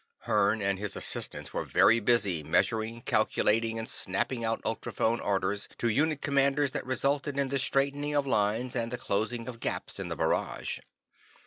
Hearn and his assistants were very busy: measuring, calculating, and snapping out ultrophone orders to unit commanders that resulted in the straightening of lines and the closing of gaps in the barrage.